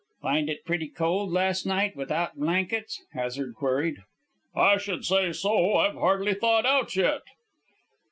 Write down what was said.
"Find it pretty cold last night without blankets?" Hazard queried. "I should say so. I've hardly thawed out yet."